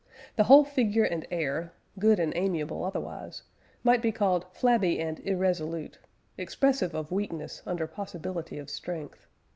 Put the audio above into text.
The whole figure and air, good and amiable otherwise, might be called flabby and irresolute; expressive of weakness under possibility of strength....